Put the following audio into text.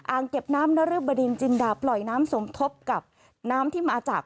เก็บน้ำนรึบดินจินดาปล่อยน้ำสมทบกับน้ำที่มาจาก